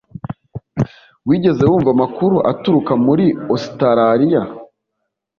Wigeze wumva amakuru aturuka muri Ositaraliya